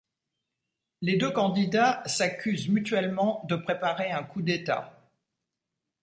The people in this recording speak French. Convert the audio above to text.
Les deux candidats s'accusent mutuellement de préparer un coup d'État.